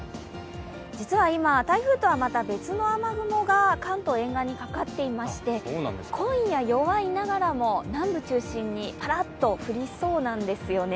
実は今、台風とはまた別の雨雲が関東沿岸にかかっていまして今夜、弱いながらも南部中心にパラッと降りそうなんですよね。